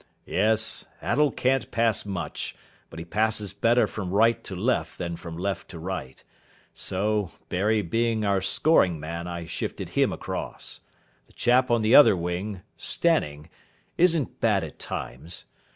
"Yes. Attell can't pass much, but he passes better from right to left than from left to right; so, Barry being our scoring man, I shifted him across. The chap on the other wing, Stanning, isn't bad at times.